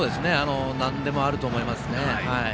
なんでもあると思いますね。